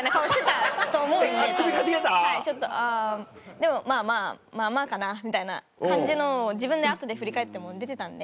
でもまぁまぁかな」みたいな感じのを自分で後で振り返っても出てたんで。